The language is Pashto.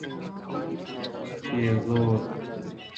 چي یې زور